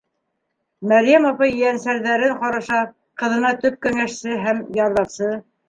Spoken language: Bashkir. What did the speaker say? Мәрйәм апай ейәнсәрҙәрен ҡараша, ҡыҙына төп кәңәшсе һәм ярҙамсы.